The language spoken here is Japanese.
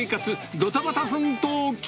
ドタバタ奮闘記。